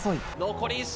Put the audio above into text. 残り１周。